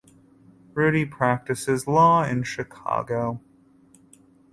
Rudy practices law in Chicago.